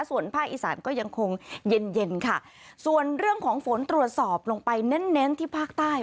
ส่วนภาคอีสานก็ยังคงเย็นเย็นค่ะส่วนเรื่องของฝนตรวจสอบลงไปเน้นเน้นที่ภาคใต้